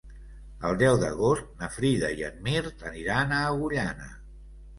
El deu d'agost na Frida i en Mirt aniran a Agullana.